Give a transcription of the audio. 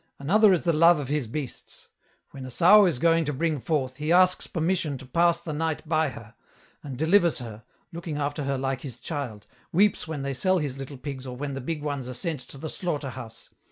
Another is the love of his beasts. When a sow is going to bring forth, he asks permission to pass the night by her, and delivers her, looking after her like his child, weeps when they sell his little pigs or when the big ones are sent to the slaughter house